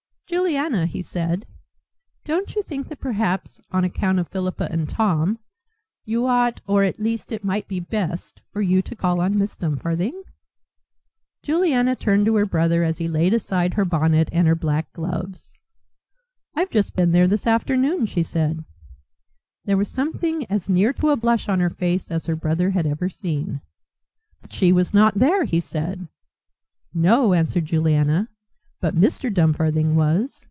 "Juliana," he said, "don't you think that perhaps, on account of Philippa and Tom, you ought or at least it might be best for you to call on Miss Dumfarthing?" Juliana turned to her brother as he laid aside her bonnet and her black gloves. "I've just been there this afternoon," she said. There was something as near to a blush on her face as her brother had ever seen. "But she was not there!" he said. "No," answered Juliana, "but Mr. Dumfarthing was.